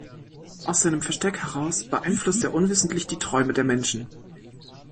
Aus seinem Versteck heraus beeinflusst er unwissentlich die Träume der Menschen.